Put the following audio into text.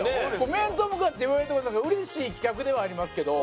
面と向かって言われるって事やから嬉しい企画ではありますけど。